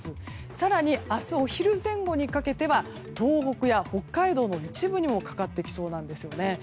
更に明日お昼前後にかけては東北や北海道の一部にもかかってきそうなんですね。